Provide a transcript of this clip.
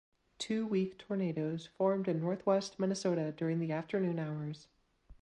Two weak tornadoes formed in northwest Minnesota during the afternoon hours.